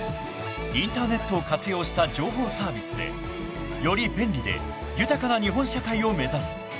［インターネットを活用した情報サービスでより便利で豊かな日本社会を目指す］